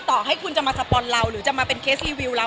ต่อให้คุณจะมาสปอนเราหรือจะมาเป็นเคสรีวิวเรา